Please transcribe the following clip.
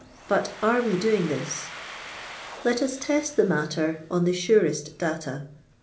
But are we doing thisi Let us test tho matter on the surest data.